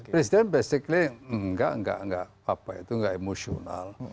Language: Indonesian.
presiden basically nggak apa itu nggak emosional